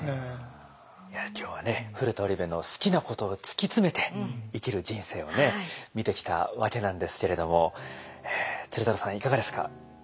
いや今日はね古田織部の好きなことを突き詰めて生きる人生を見てきたわけなんですけれども鶴太郎さんいかがですか？